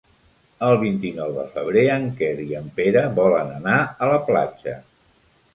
El vint-i-nou de febrer en Quer i en Pere volen anar a la platja.